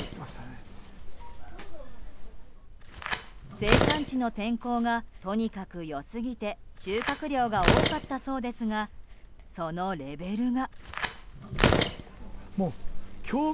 生産地の天候がとにかく良すぎて収穫量が多かったそうですがそのレベルが。